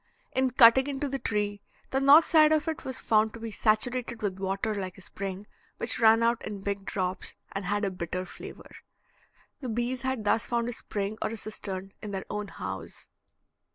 In cutting into the tree, the north side of it was found to be saturated with water like a spring, which ran out in big drops, and had a bitter flavor. The bees had thus found a spring or a cistern in their own house.